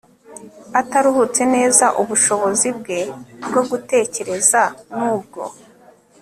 ataruhutse neza ubushobozi bwe bwo gutekereza n ubwo